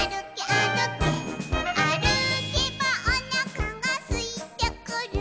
「あるけばおなかがすいてくる」